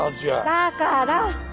だから！